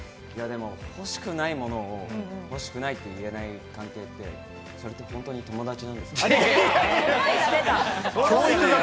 欲しくないもの欲しくないって言える関係って、本当に友達なんですか？